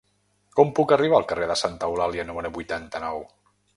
Com puc arribar al carrer de Santa Eulàlia número vuitanta-nou?